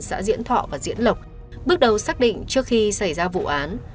xã diễn thọ và diễn lộc bước đầu xác định trước khi xảy ra vụ án